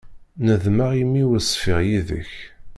Nedmeɣ imi ur ṣfiɣ yid-k.